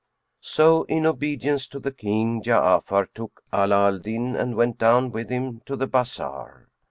So in obedience to the King, Ja'afar took Ala al Din and went down with him to the bazar.